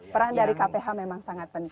peran dari kph memang sangat penting